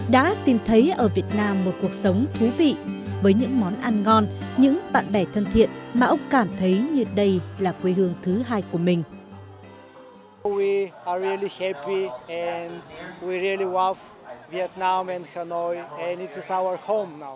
đã tìm thấy ở việt nam một cuộc sống thú vị với những món ăn ngon những bạn bè thân thiện mà ông cảm thấy như đây là quê hương thứ hai của mình